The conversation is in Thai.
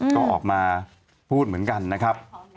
ก็ออกมาพูดเหมือนกันนะครับ